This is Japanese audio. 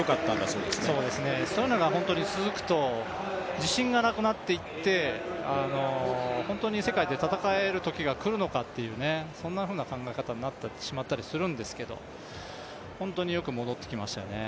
そういうのが続くと自信がなくなっていって本当に世界で戦えるときがくるのかっていうそんなふうな考え方になってしまうんですけど本当によく戻ってきましたよね。